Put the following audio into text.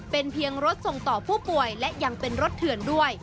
เป็นเพียงรถส่งต่อผู้ป่วยและยังเป็นรถเถื่อนด้วย